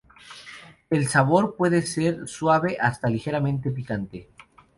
El sabor puede ser desde suave hasta ligeramente picante.